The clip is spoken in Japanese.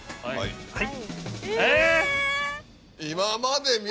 はい。